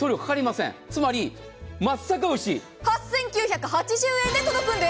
つまり、松阪牛、８９８０円で届くんです。